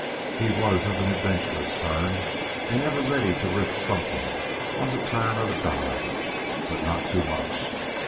He was of an adventurous turn, and ever ready to risk something on the turn of a die, but not too much.